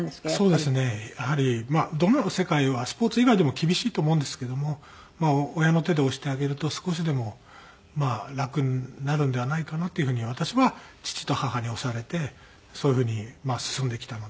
そうですねやはりどの世界スポーツ以外でも厳しいと思うんですけども親の手で押してあげると少しでも楽になるのではないかなという風に私は父と母に押されてそういう風に進んできたので。